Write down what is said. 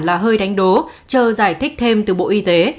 là hơi đánh đố chờ giải thích thêm từ bộ y tế